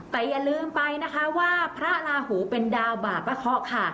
แต่อย่าลืมไปนะคะว่าพระลาหูเป็นดาวบาปะเคาะค่ะ